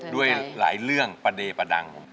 ด้วยหลายเรื่องประเดประดัง